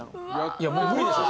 いやもう無理でしょ。